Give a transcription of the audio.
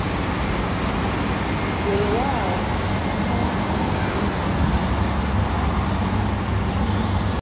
Weewaawo ensangi zino eriyo n’obumyufu.